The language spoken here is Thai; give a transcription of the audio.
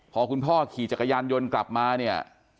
พอคุณพ่อขี่จักรยานยนต์กลับมาเนี่ย